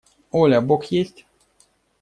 – Оля, бог есть?